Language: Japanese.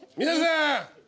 皆さん！